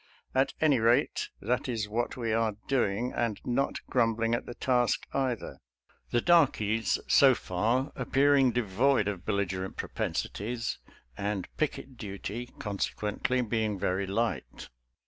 At any rate, that is what we are doing, and not grumbling at the task, either — the darkies, so far, appearing devoid of bel ligerent propensities, and picket duty, conse quently, being very light.